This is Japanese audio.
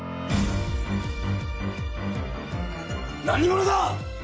何者だ！？